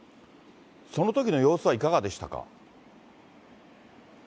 そのときの様子はいかがでしたか。